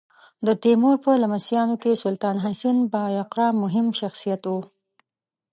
د تیمور په لمسیانو کې سلطان حسین بایقرا مهم شخصیت و.